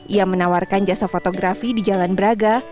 ia menawarkan jasa fotografi di jalan braga